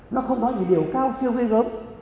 nó không nói gì điều cao chưa gây gớm